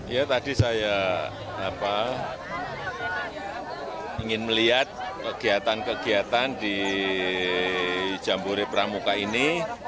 ya tadi saya ingin melihat kegiatan kegiatan di jambore pramuka ini